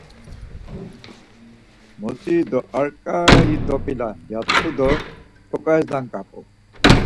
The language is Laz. Motziri do ar ǩai do p̌ila ya tku do ǩoǩaris naǩap̌u.